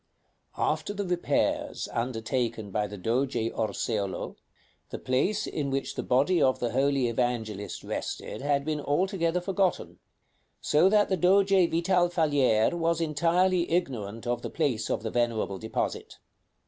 "After the repairs undertaken by the Doge Orseolo, the place in which the body of the holy Evangelist rested had been altogether forgotten; so that the Doge Vital Falier was entirely ignorant of the place of the venerable deposit.